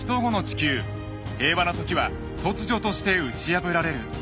［平和な時は突如として打ち破られる］